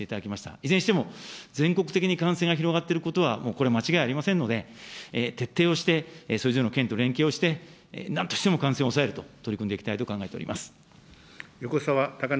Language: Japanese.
いずれにしても、全国的に感染が広がっていることは、もうこれ間違いありませんので、徹底して、それぞれの県と連携をして、なんとしても感染を抑えることに取り組んでいきたいと考えております。